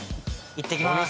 行ってきます